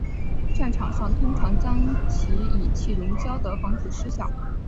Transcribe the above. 战场上通常将其以气溶胶的方式施放。